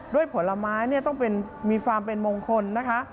ด้วยผลไม้ต้องมีความเป็นมงคลนะคะ